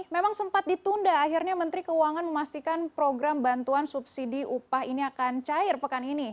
memang sempat ditunda akhirnya menteri keuangan memastikan program bantuan subsidi upah ini akan cair pekan ini